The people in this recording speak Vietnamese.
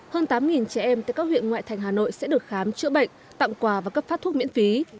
hơn tám trẻ em tại các huyện ngoại thành hà nội sẽ được khám chữa bệnh tặng quà và cấp phát thuốc miễn phí